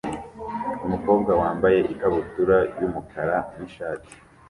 Umukobwa wambaye ikabutura yumukara nishati